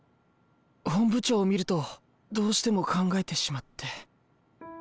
本部長を見るとどうしても考えてしまって。